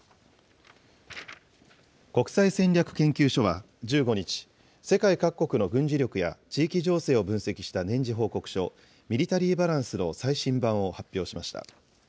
国際戦略研究所は１５日、世界各国の軍事力や地域情勢を分析した年次報告書、ミリタリー・バランスの最新版を発表しました。